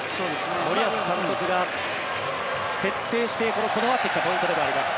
森保監督が徹底してこだわってきたポイントでもあります。